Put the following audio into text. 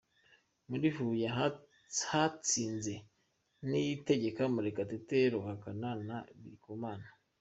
Muri Huye hatsinze niyitegeka, Murekatete, Ruhakana na Birikumana.